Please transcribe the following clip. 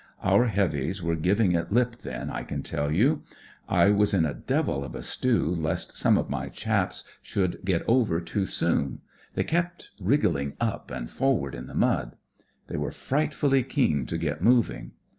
Our heavies were giving it lip then, I can tell you. I was m a devil of a steiv lest some of my chaps should get over too soon. They kept wriggling up and forward in the mud. They were frightfully keen to get moving.